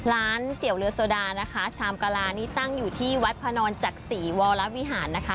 เสียวเรือโซดานะคะชามกะลานี่ตั้งอยู่ที่วัดพนอนจักษีวรวิหารนะคะ